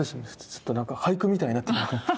ちょっとなんか俳句みたいになって。